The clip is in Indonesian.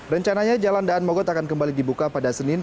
rencananya jalan daan mogot akan kembali dibuka pada senin